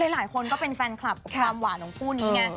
หลายคนก็เป็นแฟนคลับกับความหวานของคู่นี้ไง